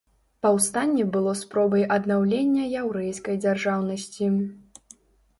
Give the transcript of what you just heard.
Паўстанне было спробай аднаўлення яўрэйскай дзяржаўнасці.